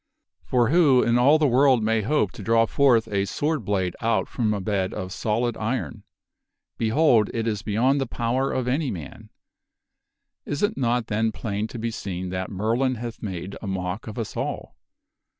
For who in all the world may hope to draw forth a ?%%? sword blade out from a bed of solid iron ? Behold ! it is be contenied yond the power of any man. Is it not then plain to be seen that Merlin hath made a mock of us all